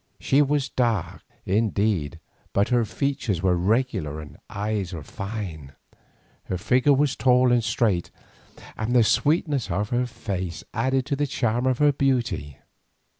She was dark, indeed, but her features were regular and her eyes fine. Her figure was tall and straight, and the sweetness of her face added to the charm of her beauty.